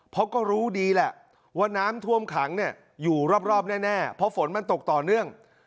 เพราะก็รู้ดีแหละว่าน้ำท่วมขังเนี่ยอยู่รอบแน่เพราะฝนมันตกต่อเนื่อง